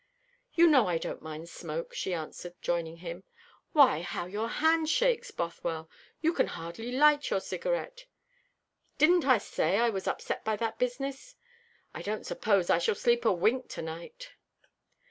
"You know I don't mind smoke," she answered, joining him. "Why, how your hand shakes, Bothwell! You can hardly light your cigarette." "Didn't I say that I was upset by that business? I don't suppose I shall sleep a wink to night."